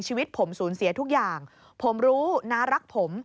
ชีวิตผมสูญเสียทุกอย่างผมรู้น้ารักผม